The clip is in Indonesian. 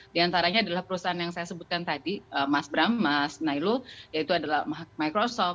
diantaranya adalah perusahaan yang saya sebutkan tadi mas bramas nailul yaitu adalah microsoft